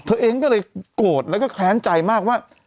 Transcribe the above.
เธอเองก็เลยโกรธแล้วก็แค้นใจมากว่า